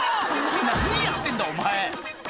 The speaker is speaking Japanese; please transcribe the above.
何やってんだお前！」